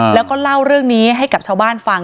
แล้วก็เล่าเรื่องนี้ให้กับชาวบ้านฟัง